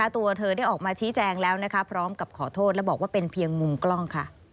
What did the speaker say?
ตัวเธอได้ออกมาชี้แจงแล้วและบอกว่าเพียงมุ่งกล้อง